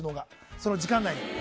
その時間内に。